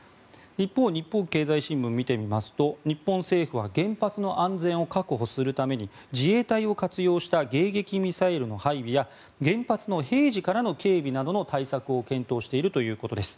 一方、日本経済新聞見てみますと日本政府は原発の安全を確保するために自衛隊を活用した迎撃ミサイルの配備や原発の平時からの警備などの対策を検討しているということです。